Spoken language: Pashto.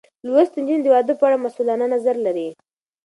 لوستې نجونې د واده په اړه مسؤلانه نظر لري.